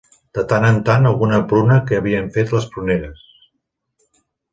De tant en tant alguna pruna que havien fet les pruneres